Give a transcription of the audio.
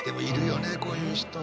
こういう人。